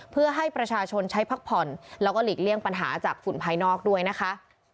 เพื่อให้ประชาชนใช้พักผ่อนแล้วก็หลีกเลี่ยงปัญหาจากฝุ่นภายนอกด้วยนะคะ